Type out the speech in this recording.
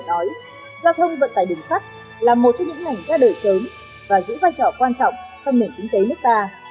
có thể nói giao thông vận tải đường sắt là một trong những ảnh ra đời sớm và giữ vai trò quan trọng trong nền kinh tế nước ta